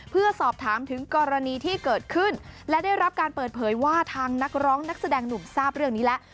เพื่อสอบถามถึงกรณีที่เกิดขึ้นและได้รับการเปิดเผยว่าทางนักร้องนักแสดงหนุ่มทราบเรื่องนี้แล้ว